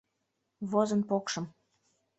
Возын покшым.